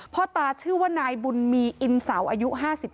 พ่อตาชื่อว่านายบุญมีอินเสาอายุ๕๓